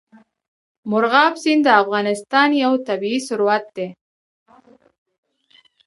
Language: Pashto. مورغاب سیند د افغانستان یو طبعي ثروت دی.